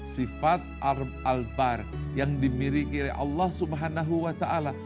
sifat al bahr yang dimiliki oleh allah subhanahu wa ta'ala